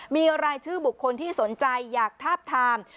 มีรายชื่อบุคคลที่สนใจอยากทาบทาม